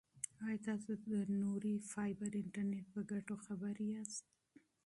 ایا تاسو د نوري فایبر انټرنیټ په ګټو خبر یاست؟